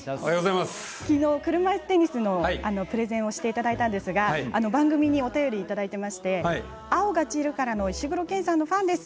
きのう、車いすテニスのプレゼンしていただいたんですが番組にお便りいただいていまして石黒賢さんのファンです。